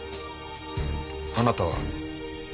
あなたは？